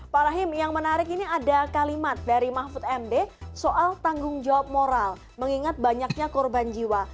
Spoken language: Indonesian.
pak rahim yang menarik ini ada kalimat dari mahfud md soal tanggung jawab moral mengingat banyaknya korban jiwa